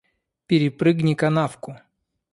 Перепрыгни канавку.